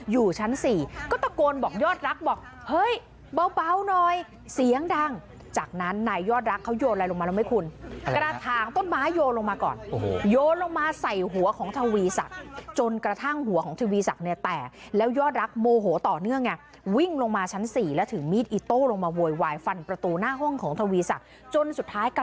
อยู่ชั้น๔ก็ตะโกนบอกยอดรักบอกเฮ้ยเบาหน่อยเสียงดังจากนั้นนายยอดรักเขาโยนอะไรลงมารู้ไหมคุณกระถางต้นไม้โยนลงมาก่อนโอ้โหโยนลงมาใส่หัวของทวีศักดิ์จนกระทั่งหัวของทวีศักดิ์เนี่ยแตกแล้วยอดรักโมโหต่อเนื่องไงวิ่งลงมาชั้น๔แล้วถึงมีดอิโต้ลงมาโวยวายฟันประตูหน้าห้องของทวีศักดิ์จนสุดท้ายก